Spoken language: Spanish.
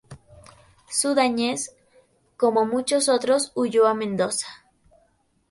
Zudáñez, como muchos otros, huyó a Mendoza.